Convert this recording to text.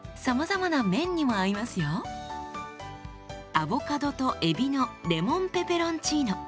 アボカドとえびのレモンペペロンチーノ。